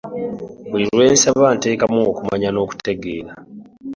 Buli lwosaba teekamu okumanya n'okutegeera.